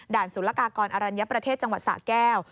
ศุลกากรอรัญญประเทศจังหวัดสะแก้ว